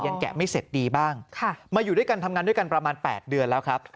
แกะไม่เสร็จดีบ้างมาอยู่ด้วยกันทำงานด้วยกันประมาณ๘เดือนแล้วครับ